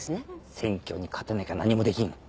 選挙に勝てなきゃ何もできん。